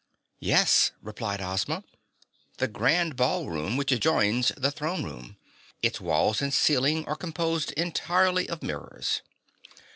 "Yes," replied Ozma, "the Grand Ballroom which adjoins the throne room its walls and ceiling are composed entirely of mirrors."